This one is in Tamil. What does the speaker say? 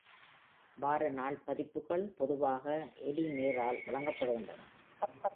வார நாள் பதிப்புகள் பொதுவாக எடி மெய்ரால் வழங்கப்படுகின்றன.